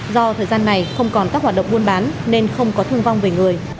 do thời gian này không còn các hoạt động buôn bán nên không có thương vong về người